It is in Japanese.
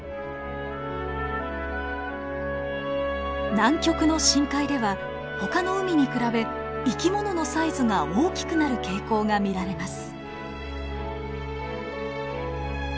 南極の深海ではほかの海に比べ生き物のサイズが大きくなる傾向が見られます。